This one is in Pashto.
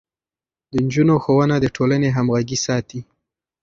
د نجونو ښوونه د ټولنې همغږي ساتي.